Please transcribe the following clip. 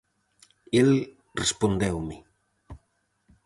El respondeume: